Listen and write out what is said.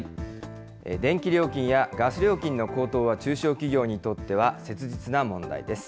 電気料金やガス料金の高騰は中小企業にとっては切実な問題です。